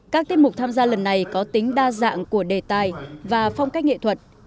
các tiết mục tham gia lần này có tính đa dạng của đề tài và phong cách nghệ thuật